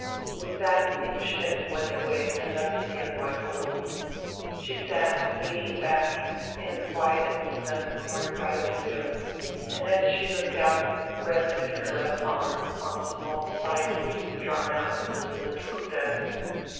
With that Innstetten went away and left his young wife alone. She sat, leaning back, in a quiet, snug corner by tire window, and, as she looked out, rested her left arm on a small side leaf drawn out of tire cylindrical desk.